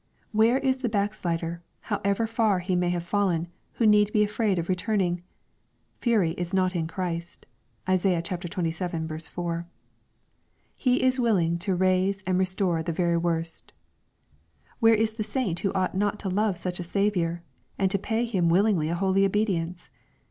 — Where is the backslider, however far he may have fallen, who need be afraid of returning ?" Fury is not in Christ." (Isai. xxvii. 4.) He is willing to raise and restore the very worst. — Where is the saint who ought not to love such a Saviour, and to pay Him willingly a holy obedience